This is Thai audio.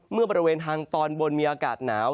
บริเวณทางตอนบนมีอากาศหนาว